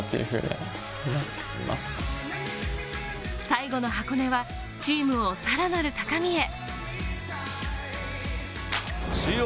最後の箱根はチームをさらなる高みへ。